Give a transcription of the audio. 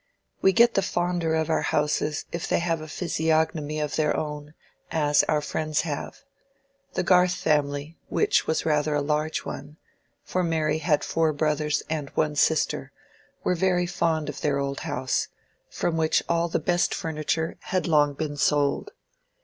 We get the fonder of our houses if they have a physiognomy of their own, as our friends have. The Garth family, which was rather a large one, for Mary had four brothers and one sister, were very fond of their old house, from which all the best furniture had long been sold.